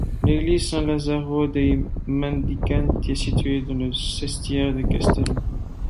L'église San Lazzaro dei Mendicanti est située dans le sestiere de Castello.